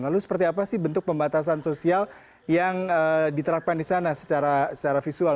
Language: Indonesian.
lalu seperti apa sih bentuk pembatasan sosial yang diterapkan di sana secara visual